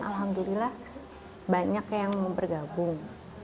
alhamdulillah banyak yang mau bergabung